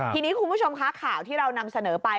ทีนี้คุณผู้ชมคะข่าวที่เรานำเสนอไป